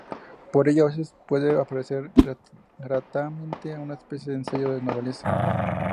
Por ello, a veces puede parecer, gratamente, una especie de "ensayo novelesco".